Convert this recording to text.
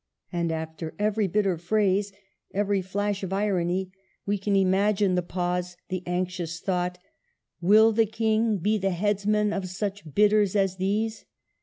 And after every bitter phrase, every flash of irony, we can imagine the pause, the anxious thought, — will the King be the headsman of such bidders as these?